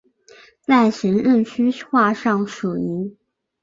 在行政区划上属于。